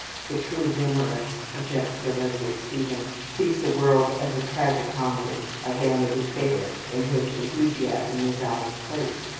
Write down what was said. The true humourist, objects Sir Leslie Stephen, sees the world as a tragi comedy, a Vanity Fair, in which enthusiasm is out of place.